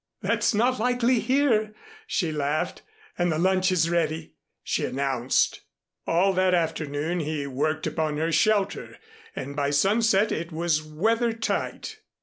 "That's not likely here," she laughed. "And the lunch is ready," she announced. All that afternoon he worked upon her shelter and by sunset it was weather tight.